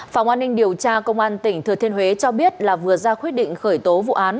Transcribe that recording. phòng an ninh điều tra công an tỉnh thừa thiên huế cho biết là vừa ra quyết định khởi tố vụ án